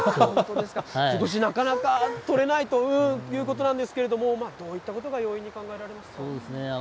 ことし、なかなか取れないということなんですけども、どういったことが要因に考えられますかね。